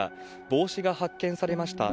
帽子が発見されました